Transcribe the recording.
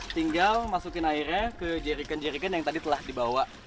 tinggal masukin airnya ke jerikan jerican yang tadi telah dibawa